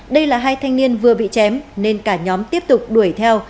đây là hai thanh niên vừa bị chém nên cả nhóm tiếp tục đuổi theo